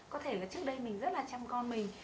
có thể là trước đây mình rất là chăm con mình